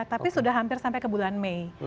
tapi sudah hampir sampai ke bulan mei